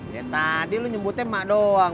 ya tadi lu nyebutnya emak doang